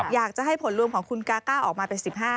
อยากจะให้ผลรวมของคุณกาก้าออกมาเป็น๑๕